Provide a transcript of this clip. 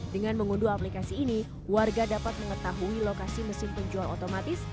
dengan mengunduh aplikasi ini warga dapat mengetahui lokasi mesin penjual otomatis